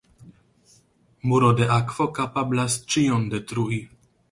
Muro de akvo kapablas ĉion detrui.